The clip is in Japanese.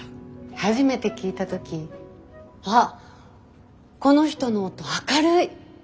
初めて聴いた時「あっこの人の音明るい！